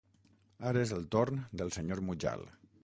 Ara és el torn del senyor Mujal.